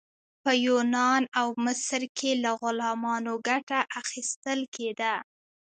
په یونان او مصر کې له غلامانو ګټه اخیستل کیده.